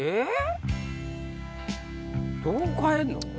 どう変えんの？